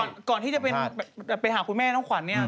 ก่อนที่จะไปหาคุณแม่น้องขวัญเนี่ย